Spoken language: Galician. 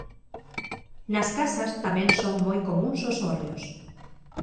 Nas casas tamén son moi comúns os hórreos.